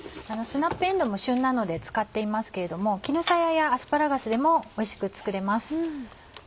スナップえんどうも旬なので使っていますけれども絹さややアスパラガスでもおいしく作れます。